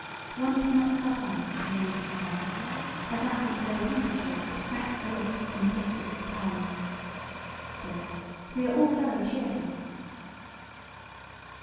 One cannot suck ice to relieve the thirst, as at these low temperatures it cracks the lips and blisters the tongue. Still, we are all very cheerful."